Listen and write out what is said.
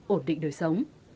ổn định đời sống